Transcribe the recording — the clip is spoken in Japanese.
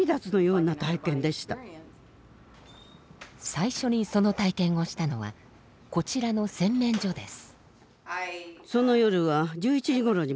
最初にその体験をしたのはこちらの洗面所です。